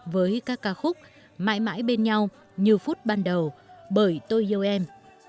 với các ca khúc mãi mãi bên nhau như phút ban đêm